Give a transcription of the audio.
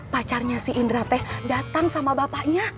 pacarnya si indra teh datang sama bapaknya